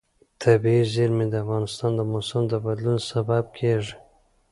طبیعي زیرمې د افغانستان د موسم د بدلون سبب کېږي.